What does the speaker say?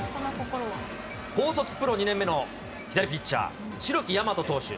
高卒プロ２年目の左ピッチャー、代木大和投手。